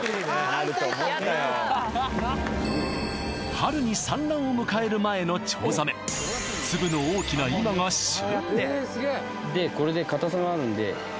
春に産卵を迎える前のチョウザメ粒の大きな今が旬